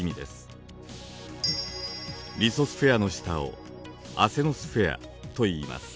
リソスフェアの下を「アセノスフェア」といいます。